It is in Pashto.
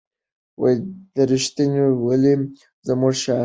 رښتینولي زموږ شعار دی.